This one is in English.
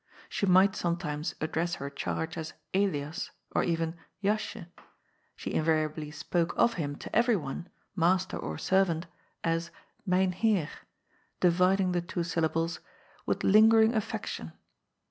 She might sometimes address her charge as " Elias " or even " Jasje "; she invari ably spoke of him to everyone — master or servant — ^as Myn Heer, dividing the two syllables — with lingering affection.